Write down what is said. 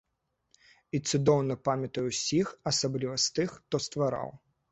І цудоўна памятаю ўсіх, асабліва з тых, хто ствараў.